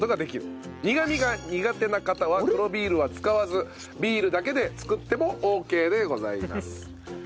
苦みが苦手な方は黒ビールは使わずビールだけで作ってもオーケーでございます。